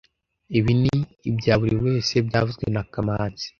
Ibi ni ibya buri wese byavuzwe na kamanzi